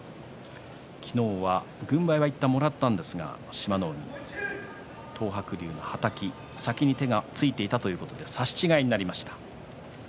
昨日は軍配はいったんもらった志摩ノ海ですが東白龍のはたき先に手をついていたということで差し違えになりました。